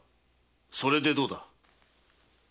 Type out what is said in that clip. それでどうだ？